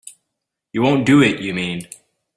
You won't do it, you mean?